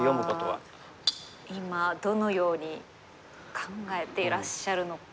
さあ今どのように考えていらっしゃるのか。